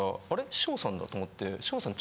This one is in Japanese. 翔さんだと思って翔さん